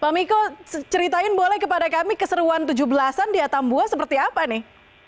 pak miko ceritain boleh kepada kami keseruan tujuh belas an di atambua seperti apa nih